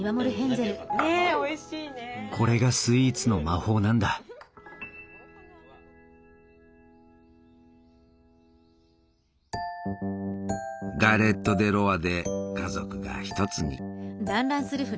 これがスイーツの魔法なんだガレット・デ・ロワで家族が一つに。